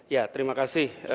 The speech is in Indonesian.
ya terima kasih